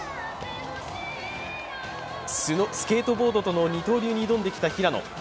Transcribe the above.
スケートボードとの二刀流に挑んできた平野。